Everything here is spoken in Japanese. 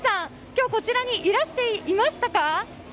今日こちらにいらしていましたか。